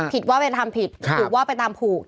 ผิดว่าเป็นทำผิดถูกว่าไปตามผูก